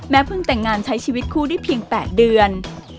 เพิ่งแต่งงานใช้ชีวิตคู่ได้เพียง๘เดือน